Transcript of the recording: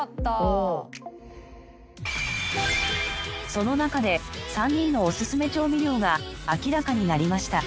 その中で３人のオススメ調味料が明らかになりました。